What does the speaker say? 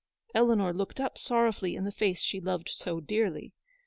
Eleanor looked up sorrowfully in the face she loved so dearly.